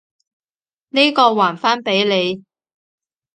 呢個，還返畀你！